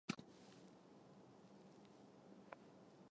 他的研究兴趣包括超新星环境和星际气体。